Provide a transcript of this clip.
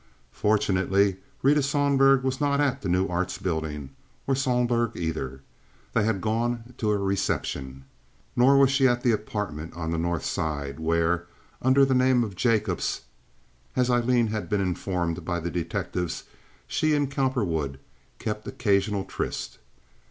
Fortunately, Rita Sohlberg was not at the New Arts Building, or Sohlberg, either. They had gone to a reception. Nor was she at the apartment on the North Side, where, under the name of Jacobs, as Aileen had been informed by the detectives, she and Cowperwood kept occasional tryst.